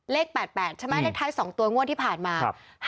เลข๘๘ใช่ไหมเลขท้าย๒ตัวงวดที่ผ่านมา